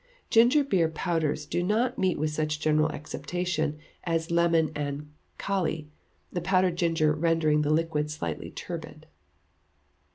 Ginger beer powders do not meet with such general acceptation as lemon and kali, the powdered ginger rendering the liquid slightly turbid.